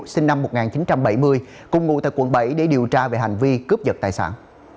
sinh năm một nghìn chín trăm bảy mươi cùng ngụ tại quận bảy để điều tra về hành vi cướp giật tài sản